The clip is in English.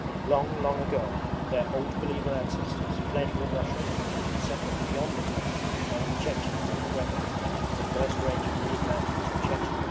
Long long ago their Old Believer ancestors fled from Russia and settled beyond the Terek among the Chechens on the Greben, the first range of wooded mountains of Chechnya.